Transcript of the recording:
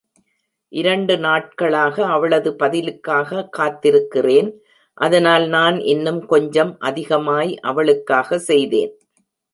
இரண்டு நாட்களாக அவளது பதிலுக்காக காத்திருக்கிறேன், அதனால் நான் இன்னும் கொஞ்சம் அதிகமாய் அவளுக்காக செய்தேன்.